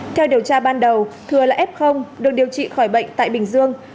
theo điều tra ban đầu thừa là f được điều trị khỏi bệnh tại bình dương